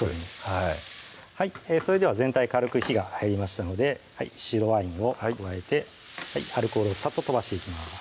はいそれでは全体軽く火が入りましたので白ワインを加えてアルコールをサッと飛ばしていきます